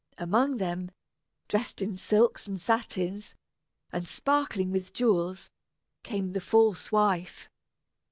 Among them, dressed in silks and satins, and sparkling with jewels, came the false wife.